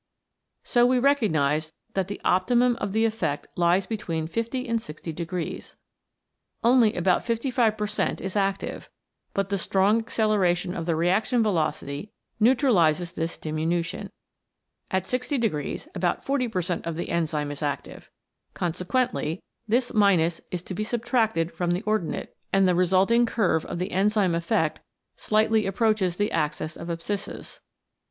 So we recognise that the optimum of the effect lies between 50 and 60 degrees. Only about 55 per cent is active, but the strong acceleration of the reaction velocity neutralises this diminution. At 60 degrees about 40 per cent of the enzyme is active. Consequently, this minus is to be subtracted from the ordinate, 104 CATALYSIS AND THE ENZYMES and the resulting curve of the enzyme effect slightly approaches the axis of abscissas.